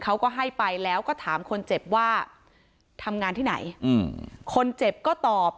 เขาก็ให้ไปแล้วก็ถามคนเจ็บว่าทำงานที่ไหนอืมคนเจ็บก็ตอบ